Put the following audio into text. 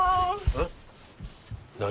えっ？